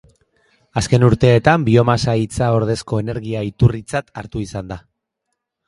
Azken urteetan biomasa hitza ordezko energia-iturritzat hartu izan da.